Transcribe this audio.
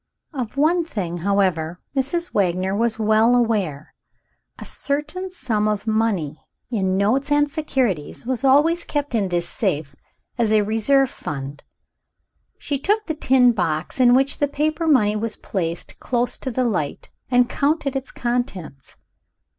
Of one thing, however, Mrs. Wagner was well aware a certain sum of money, in notes and securities, was always kept in this safe as a reserve fund. She took the tin box in which the paper money was placed close to the light, and counted its contents.